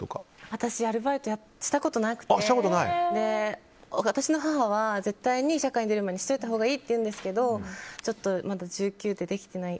私、アルバイトしたことなくて私の母は絶対に社会に出る前にしておいたほうがいいって言ってるんですけどまだ１９でできてない。